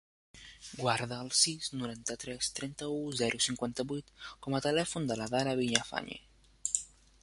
Guarda el sis, noranta-tres, trenta-u, zero, cinquanta-vuit com a telèfon de l'Adara Villafañe.